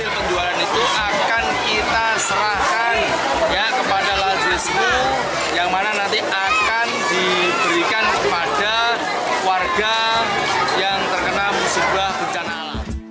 pihak sekolah siswa yang mana nanti akan diberikan kepada warga yang terkena musibah bencana alam